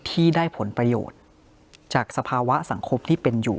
ที่ได้ผลประโยชน์จากสภาวะสังคมที่เป็นอยู่